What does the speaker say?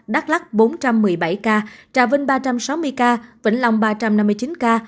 đắk lắc bốn trăm một mươi bảy ca trà vinh ba trăm sáu mươi ca vĩnh long ba trăm năm mươi chín ca